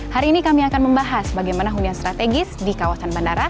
hari ini kami akan membahas bagaimana hunian strategis di kawasan bandara